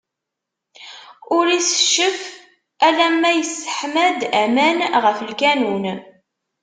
Ur iteccef alamma yesseḥma-d aman ɣef lkanun.